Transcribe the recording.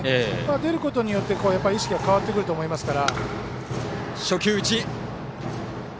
出ることによって意識が変わってくると思いますから。